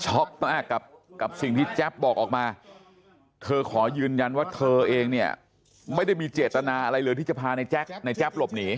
มากกับสิ่งที่แจ๊บบอกออกมาเธอขอยืนยันว่าเธอเองเนี่ยไม่ได้มีเจตนาอะไรเลยที่จะพาในแจ๊บหลบหนี